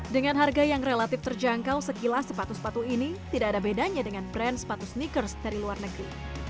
dengan harga yang relatif terjangkau sekilas sepatu sepatu ini tidak ada bedanya dengan brand sepatu sneakers dari luar negeri